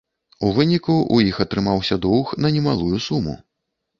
У выніку ў іх атрымаўся доўг на немалую суму.